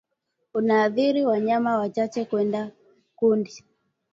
unaathiri wanyama wachache kwenye kundi